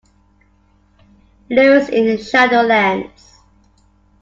Lewis in "Shadowlands".